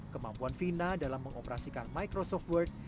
kemampuan fina dalam mengoperasikan microsoft word